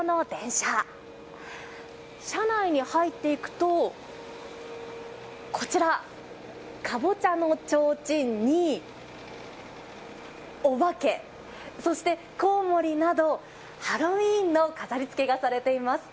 車内に入っていくとこちら、カボチャのちょうちんにお化け、そしてコウモリなど、ハロウィーンの飾りつけがされています。